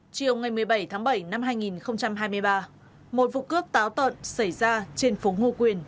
chiều ngày một mươi bảy tháng bảy năm hai nghìn hai mươi ba một vụ cướp táo tợn xảy ra trên phố ngo quyền